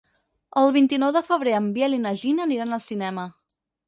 El vint-i-nou de febrer en Biel i na Gina aniran al cinema.